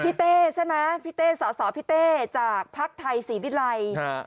พี่เต้ใช่ไหมพี่เต้สาวพี่เต้จากภาคไทยสีวิรัย